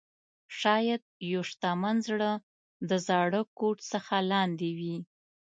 شاید یو شتمن زړه د زاړه کوټ څخه لاندې وي.